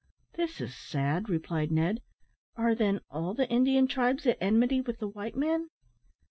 "This is sad," replied Ned. "Are, then, all the Indian tribes at enmity with the white men?"